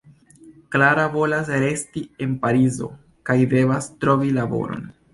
Klara volas resti en Parizo kaj devas trovi laboron.